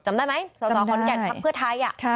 จำได้ไหมสาวสาวขอนแก่นครับเพื่อท้าย